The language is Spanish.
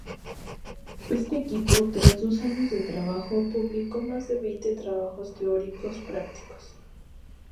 Este equipo, tras dos años de trabajo, publicó más de veinte trabajos teórico-prácticos.